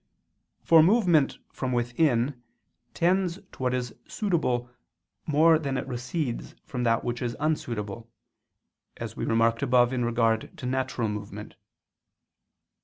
For movement from within tends to what is suitable more than it recedes from that which is unsuitable; as we remarked above in regard to natural movement.